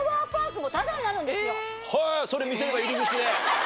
へぇそれ見せれば入り口で。